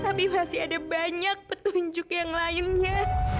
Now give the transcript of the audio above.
tapi masih ada banyak petunjuk yang lainnya